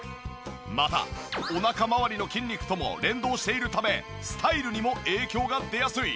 またおなかまわりの筋肉とも連動しているためスタイルにも影響が出やすい。